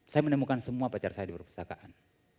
saya menemukan semua pacar saya di perpustakaan